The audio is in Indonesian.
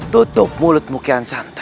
tutup mulutmu kian santa